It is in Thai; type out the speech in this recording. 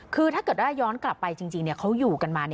คือถ้าเกิดว่าย้อนกลับไปจริงเขาอยู่กันมา